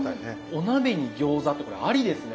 お鍋に餃子ってこれありですね。